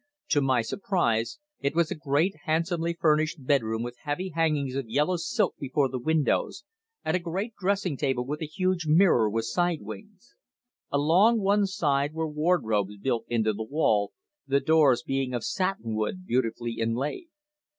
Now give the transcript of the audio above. To my surprise it was a great handsomely furnished bedroom with heavy hangings of yellow silk before the windows, and a great dressing table with a huge mirror with side wings. Along one side were wardrobes built into the wall, the doors being of satinwood beautifully inlaid.